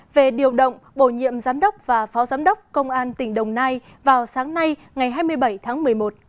về điều động bổ nhiệm giám đốc và phó giám đốc công an tỉnh đồng nai vào sáng nay ngày hai mươi bảy tháng một mươi một